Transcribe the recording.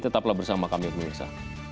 tetaplah bersama kami pemirsa